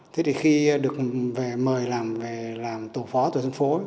thế thì khi được mời làm tổ phó tổ dân phố